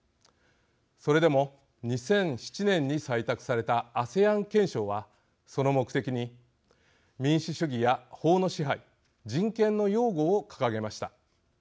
それでも２００７年に採択されたＡＳＥＡＮ憲章は、その目的に民主主義や法の支配人権の擁護を掲げました。